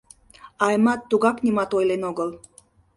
Аймат тугак нимат ойлен огыл.